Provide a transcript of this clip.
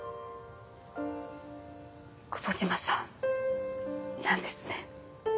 久保島さんなんですね？